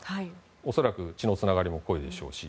恐らく血のつながりも濃いでしょうし